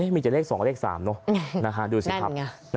มีแต่เลข๒กับเลข๓เนอะดูสิครับ